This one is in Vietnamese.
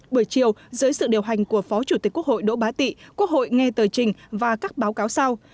buổi chiều dưới sự điều hành của phó chủ tịch quốc hội đỗ bá tị quốc hội nghe tờ trình và các báo cáo sau